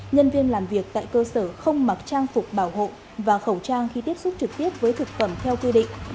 nhân viên làm việc tại cơ sở không mặc trang phục bảo hộ và khẩu trang khi tiếp xúc trực tiếp với thực phẩm theo quy định